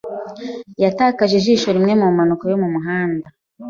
Yatakaje ijisho rimwe mu mpanuka yo mu muhanda.